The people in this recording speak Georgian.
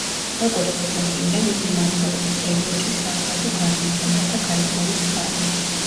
როგორც ცნობილია, მისი მმართველობის პერიოდში სააბატო გარემონტდა და გაიყვანეს წყალი.